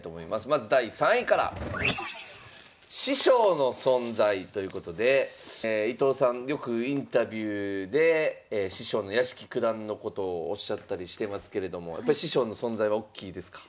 まず第３位から。ということで伊藤さんよくインタビューで師匠の屋敷九段のことをおっしゃったりしてますけれどもやっぱ師匠の存在はおっきいですか？